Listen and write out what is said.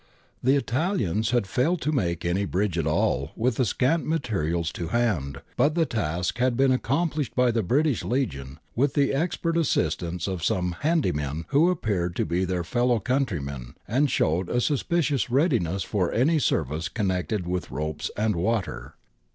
The Italians had failed to make any bridge at all with the scant materials to hand, but the task had been accom plished by the British Legion with the expert assistance of some * handy men ' who appeared to be their fellow countrymen and showed a suspicious readiness for any service connected with ropes and water.